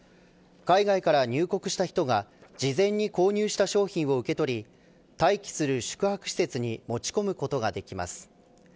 海外から入国した人が事前に購入した商品を受け取り待機する宿泊施設に持ち込むことができます。